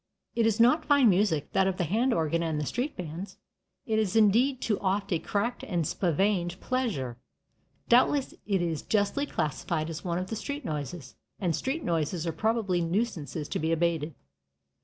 It is not fine music, that of the hand organ and the street bands; it is indeed too oft a cracked and spavined pleasure. Doubtless it is justly classified as one of the street noises, and street noises are probably nuisances to be abated.